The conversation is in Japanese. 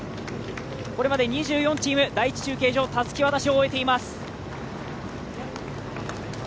これまで２４チーム第１中継所、たすき渡しを終えています。